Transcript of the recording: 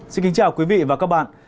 xin kính chào quý vị và các bạn